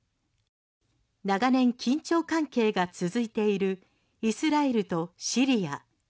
長年、緊張関係が続いているイスラエルとシリア。